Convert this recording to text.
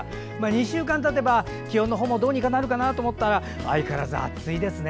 ２週間たてば気温の方もどうにかなるかなと思ったら相変わらず暑いですね。